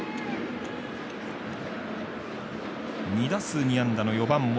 ２打数２安打の４番、森。